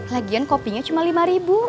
lagian kopinya cuma lima ribu